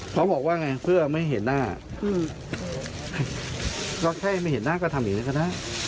เขาบอกว่าไงเพื่อไม่เห็นหน้าก็แค่ไม่เห็นหน้าก็ทำอย่างนั้นก็ได้